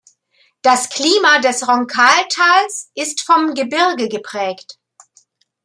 Das Klima des Roncal-Tals ist vom Gebirge geprägt.